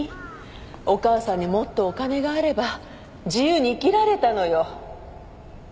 お母さんにもっとお金があれば自由に生きられたのよ